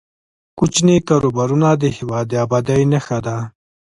کوچني کاروبارونه د هیواد د ابادۍ نښه ده.